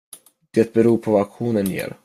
Det beror på vad auktionen ger.